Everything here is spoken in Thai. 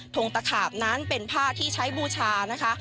งตะขาบนั้นเป็นผ้าที่ใช้บูชานะคะ